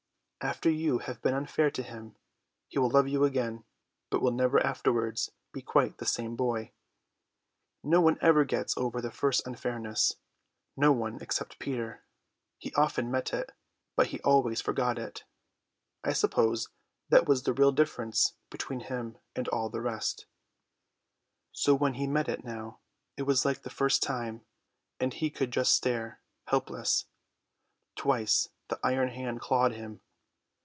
After you have been unfair to him he will love you again, but will never afterwards be quite the same boy. No one ever gets over the first unfairness; no one except Peter. He often met it, but he always forgot it. I suppose that was the real difference between him and all the rest. So when he met it now it was like the first time; and he could just stare, helpless. Twice the iron hand clawed him.